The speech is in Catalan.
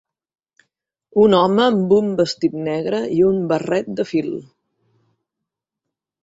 Un home amb un vestit negre i un barret de fil.